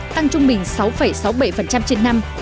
tăng trung bình sáu sáu mươi bảy trên năm